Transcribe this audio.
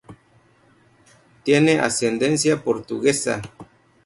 Tiene ascendencia portuguesa.